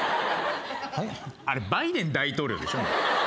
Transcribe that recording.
あれバイデン大統領でしょ。